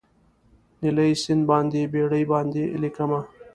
نیلي سیند باندې بیړۍ باندې لیکمه